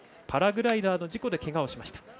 パラグライダーの事故でけがをしました。